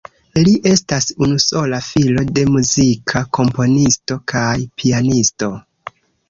Li estas unusola filo de muzika komponisto kaj pianisto.